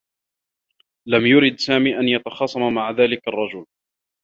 لم يرد سامي أن يتخاصم مع ذلك الرّجل.